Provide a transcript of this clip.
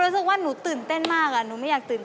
สะสมมา๓๕๐๐๐บาท